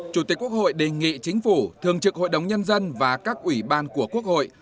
chủ tịch quốc hội đề nghị chính phủ thường trực hội đồng nhân dân và các ủy ban của quốc hội